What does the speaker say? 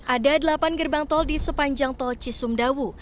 ada delapan gerbang tol di sepanjang tol cisumdawu